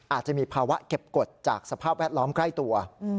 อาจจะมีภาวะเก็บกฎจากสภาพแวดล้อมใกล้ตัว